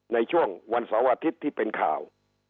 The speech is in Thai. ในช่วงวันเสาร์อาทิตย์ที่เป็นข่าว